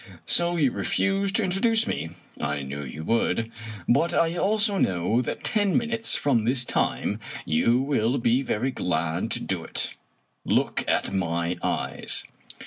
So you refuse to introduce me! I knew you would. But I also know that ten minutes from this time you will be very glad to do it. Look at my eyes!"